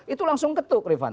itu langsung ketuk rivana